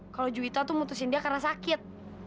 kalo juwita tuh mutusin dia karena sakit